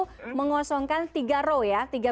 itu mengosongkan tiga row ya